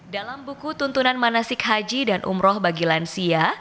dalam buku tuntunan manasik haji dan umroh bagi lansia